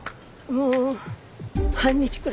もう半日くらい。